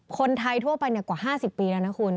คนไทยทั่วไปกว่า๕๐ปีแล้วนะคุณ